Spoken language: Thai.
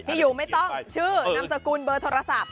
อยู่ไม่ต้องชื่อนามสกุลเบอร์โทรศัพท์